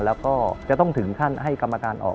แล้วก็จะต้องถึงขั้นให้กรรมการออก